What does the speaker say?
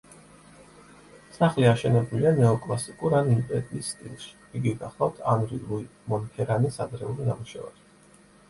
სახლი აშენებულია ნეოკლასიკურ ან იმპერიის სტილში, იგი გახლავთ ანრი ლუი მონფერანის ადრეული ნამუშევარი.